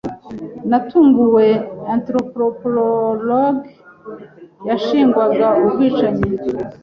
Natunguwe, antropropologue yashinjwaga ubwicanyi.